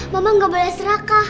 mama gak boleh serakah